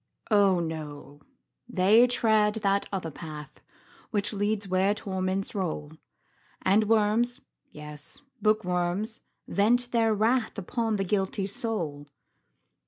"Oh, no! they tread that other path, Which leads where torments roll, And worms, yes, bookworms, vent their wrathUpon the guilty soul.